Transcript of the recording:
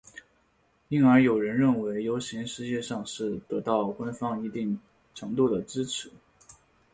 因而有人认为游行实际上是得到官方一定程度的支持。